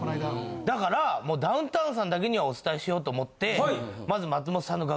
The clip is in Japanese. だからダウンタウンさんだけにはお伝えしようと思ってまず。